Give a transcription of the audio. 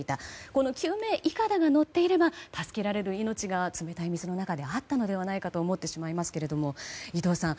この救命いかだが乗っていれば助けられる命が冷たい水の中であったのではないかと思ってしまいますが伊藤さん